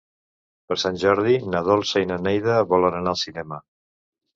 Per Sant Jordi na Dolça i na Neida volen anar al cinema.